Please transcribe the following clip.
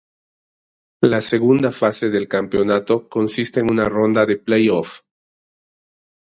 La segunda fase del campeonato consiste en una ronda de play-off.